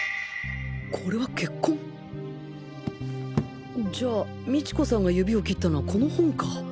これは血痕じゃあ美知子さんが指を切ったのはこの本か